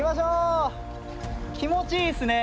気持ちいいですね。